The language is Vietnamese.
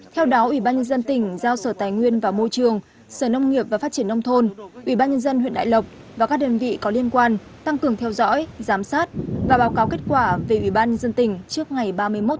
theo đó ubnd tỉnh giao sở tài nguyên và môi trường sở nông nghiệp và phát triển nông thôn ubnd huyện đại lộc và các đơn vị có liên quan tăng cường theo dõi giám sát và báo cáo kết quả về ubnd tỉnh trước ngày ba mươi một tháng tám tới đây